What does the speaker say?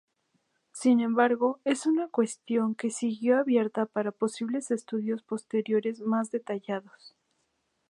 Sin embargo, es una cuestión que siguió abierta para posibles estudios posteriores más detallados.